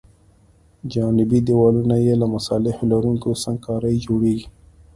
جانبي دیوالونه یې له مصالحه لرونکې سنګ کارۍ جوړیږي